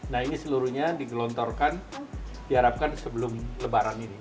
nah ini seluruhnya digelontorkan diharapkan sebelum lebaran ini